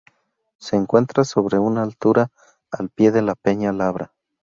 Se encuentra sobre una altura al pie de Peña Labra.